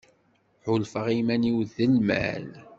Ḥulfaɣ iman-iw d lmal.